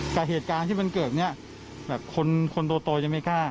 แต่เหตุการณ์ที่มันเกิดเนี่ยแบบคนโตยังไม่กล้า